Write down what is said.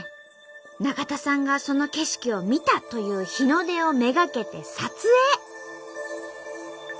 中田さんがその景色を見たという日の出をめがけて撮影。